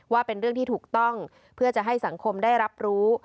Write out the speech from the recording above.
ว่าเป็นเรื่องที่ถูกต้องเพื่อจะให้สังคมได้รับรู้